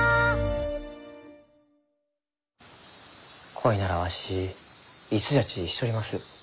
恋ならわしいつじゃちしちょります。